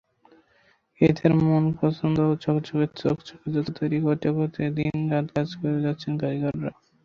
ক্রেতার মনপছন্দ ঝকঝকে চকচকে জুতা তৈরি করতে দিন-রাত কাজ করে যাচ্ছেন কারিগরেরা।